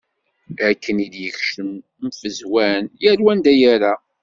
Akken i d-yekcem, mfezwan. Yal wa anda yerra.